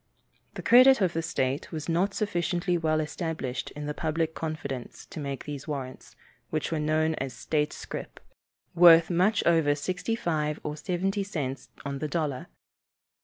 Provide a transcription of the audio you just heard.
The credit of the state was not sufficiently well established in the public confidence to make these warrants, which were known as "state scrip," worth much over sixty five or seventy cents on the dollar.